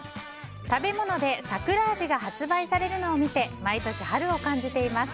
食べ物で桜味が発売されるのを見て毎年、春を感じています。